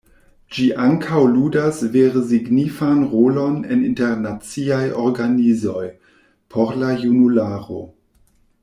Ĝi ankaŭ ludas vere signifan rolon en internaciaj organizoj por la junularo.